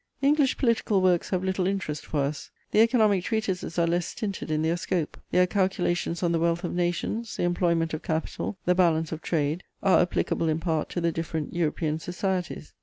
English political works have little interest for us. The economic treatises are less stinted in their scope: their calculations on the wealth of nations, the employment of capital, the balance of trade, are applicable in part to the different European societies.